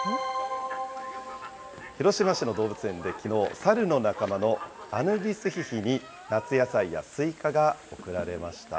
広島市の動物園できのう、サルの仲間のアヌビスヒヒに夏野菜やスイカが贈られました。